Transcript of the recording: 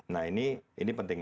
nah ini pentingnya